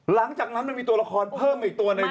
หลังจากนั้นมันมีตัวละครเพิ่มอีกตัวหนึ่ง